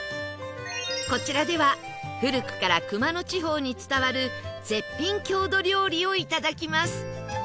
こちらでは古くから熊野地方に伝わる絶品郷土料理をいただきます